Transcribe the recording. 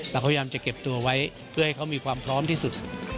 เราพยายามจะเก็บตัวไว้เพื่อให้เขามีความพร้อมที่สุด